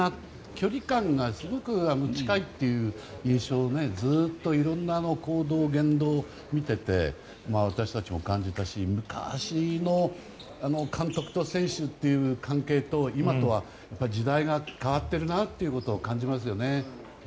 距離感がすごく近いっていう印象をずっといろんな行動・言動を見てて私たちも感じたし昔の監督と選手っていう関係と今とは時代が変わっているなと感じますよね。